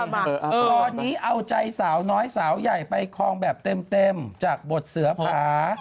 ตอนนี้เอาใจสาวน้อยสาวใหญ่ไปคลองแบบเต็มจากบทเสือผา